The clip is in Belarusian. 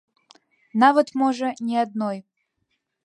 Нават, можа, не адной.